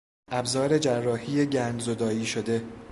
ابزار جراحی گندزدایی شده